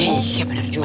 iya bener juga